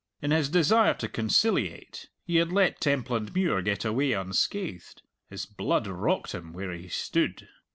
In his desire to conciliate he had let Templandmuir get away unscathed. His blood rocked him where he stood.